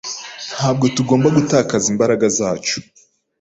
Ntabwo tugomba gutakaza imbaraga zacu.